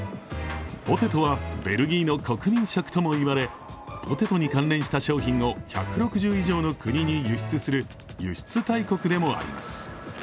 ポテトはベルギーの国民食ともいわれポテトに関連した商品を１６０以上の国に輸出する輸出大国でもあります。